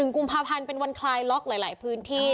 กุมภาพันธ์เป็นวันคลายล็อกหลายพื้นที่